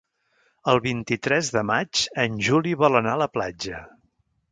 El vint-i-tres de maig en Juli vol anar a la platja.